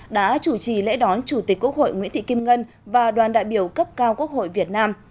đã chủ trì lễ đón chủ tịch quốc hội nguyễn thị kim ngân và đoàn đại biểu cấp cao quốc hội việt nam